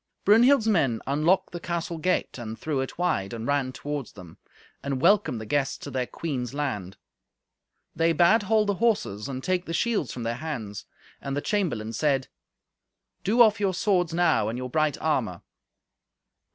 Brunhild's men unlocked the castle gate and threw it wide, and ran toward them, and welcomed the guests to their queen's land. They bade hold the horses, and take the shields from their hands. And the chamberlain said, "Do off your swords now, and your bright armour."